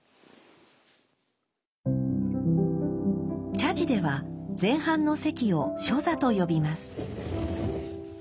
茶事では前半の席を初座と呼びます。